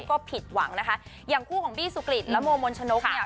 ก็ผิดหวังนะคะอย่างคู่ของบี้สุกริตและโมมนชนกเนี่ย